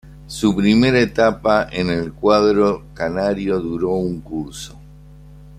Su primera etapa en el cuadro canario duró un curso.